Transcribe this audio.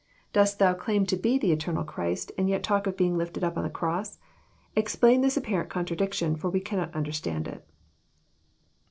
Dost Thou claim to be the eternal Christ, and yet talk of being lifted np on a cross ? Explain this apparent contradiction, for we cannot understand it."